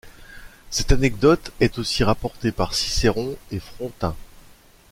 Cette anecdote est aussi rapportée par Cicéron et Frontin.